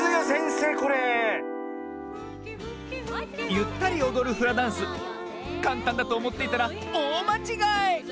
ゆったりおどるフラダンスかんたんだとおもっていたらおおまちがい！